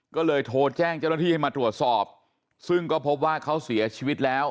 ก็เลยโทรแจ้งเจ้าหน้าที่ให้มาตรวจสอบซึ่งก็พบว่าเขาเสียชีวิตแล้ว